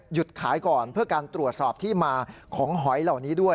ขายก่อนเพื่อการตรวจสอบที่มาของหอยเหล่านี้ด้วย